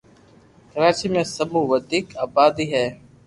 ڪراچي ۾ سب مون وديڪ آبادي ھي